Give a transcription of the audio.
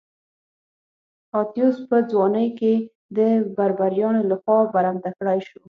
اتیوس په ځوانۍ کې د بربریانو لخوا برمته کړای شو.